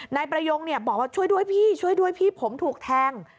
นายประยงบอกว่าช่วยด้วยพี่ช่วยด้วยพี่ผมถูกแทง